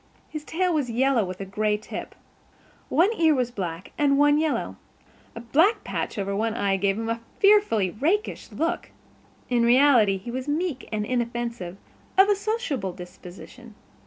His tail was yellow with a gray tip. One ear was black and one yellow. A black patch over one eye gave him a fearfully rakish look. In reality he was meek and inoffensive, of a sociable disposition.